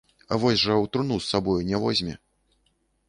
Вось жа ў труну з сабою не возьме.